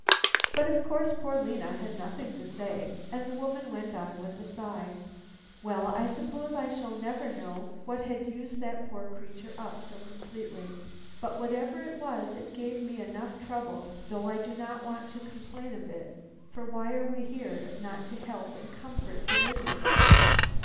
But, of course, poor Lena had nothing to say, and the woman went on with a sigh: "Well, I suppose I shall never know what had used that poor creature up so completely. But whatever it was, it gave me enough trouble, though I do not want to complain of it, for why are we here, if not to help and comfort the miserable.